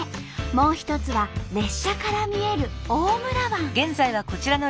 もう一つは列車から見える大村湾。